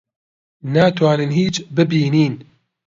ناتوانین هیچ ببینین.